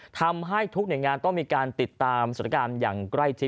ทำให้ทุกหน่วยงานต้องมีการติดตามสถานการณ์อย่างใกล้ชิด